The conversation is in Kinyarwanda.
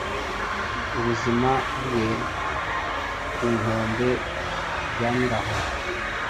Ubuzima bwe ku nkombeazashyiraho